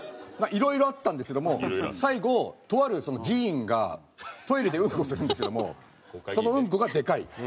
いろいろあったんですけども最後とある議員がトイレでうんこをするんですけどもそのうんこがでかい。